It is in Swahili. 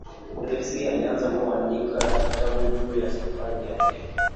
gracie alianza kuandika kitabu juu ya safari yake